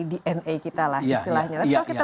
dna kita lah istilahnya tapi kalau kita